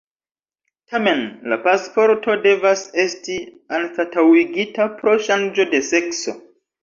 Tamen la pasporto devas esti anstataŭigita pro ŝanĝo de sekso.